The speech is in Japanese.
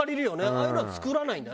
ああいうのは作らないんだね。